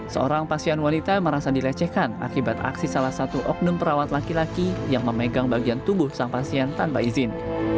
seorang pasien wanita merasa dilecehkan akibat aksi salah satu oknum perawat laki laki yang memegang bagian tubuh sang pasien tanpa izin